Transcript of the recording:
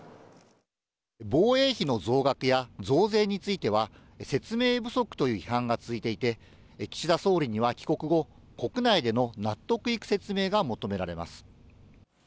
防衛費の増額や増税については、説明不足という批判が続いていて、岸田総理には帰国後、国内での納得いく説明が求められます。